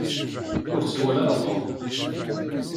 Ur tt-iwala ara Tom.